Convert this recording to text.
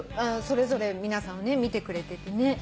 それぞれ皆さん見てくれててね。